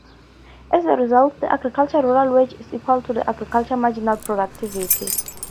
As a result, the agricultural rural wage is equal to agricultural marginal productivity.